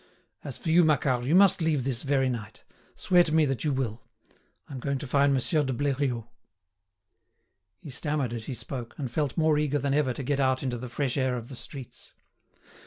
As for you, Macquart, you must leave this very night. Swear to me that you will! I'm going to find Monsieur de Bleriot." He stammered as he spoke, and felt more eager than ever to get out into the fresh air of the streets.